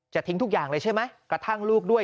ทิ้งทุกอย่างเลยใช่ไหมกระทั่งลูกด้วย